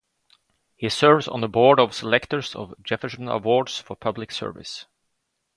He serves on the Board of Selectors of Jefferson Awards for Public Service.